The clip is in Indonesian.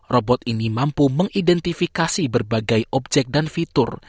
robot ini mampu mengidentifikasi berbagai objek dan fitur